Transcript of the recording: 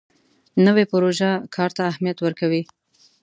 نوې پروژه کار ته اهمیت ورکوي